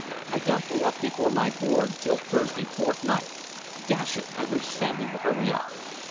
I don't go up before my Board till Thursday fortnight. Dash it, I wish Sandy would hurry up!"